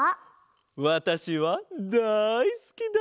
わたしはだいすきだ！